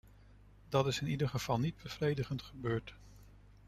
Dat is in eerdere gevallen niet bevredigend gebeurd.